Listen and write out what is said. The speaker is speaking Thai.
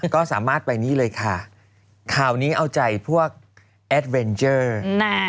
ก็สามารถไปนี่เลยค่ะข่าวนี้เอาใจพวกแอดเวนเจอร์